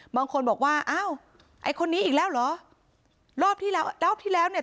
บางคนบอกว่าอ้าวไอ้คนนี้อีกแล้วเหรอรอบที่แล้วรอบที่แล้วเนี่ย